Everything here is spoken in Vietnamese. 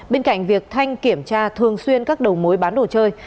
bên cạnh việc thanh kiểm tra thường xuyên các đầu mối bán đồ chơi